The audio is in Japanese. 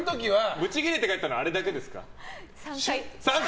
ブチ切れて帰ったのはあの時だけですか？